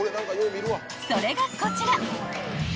［それがこちら］